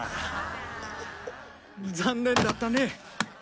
残念だったね。